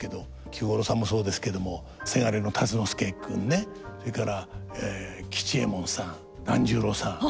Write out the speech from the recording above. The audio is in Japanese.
菊五郎さんもそうですけどもせがれの辰之助君ねそれから吉右衛門さん團十郎さん